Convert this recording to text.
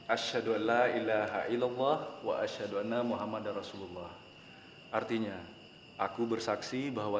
ashadu an la ilaha ilallah wa ashadu anna muhammadan rasulullah artinya aku bersaksi bahwa